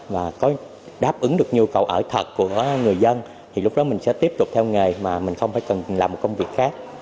và có đáp ứng được nhu cầu ở thật của người dân thì lúc đó mình sẽ tiếp tục theo nghề mà mình không phải cần làm một công việc khác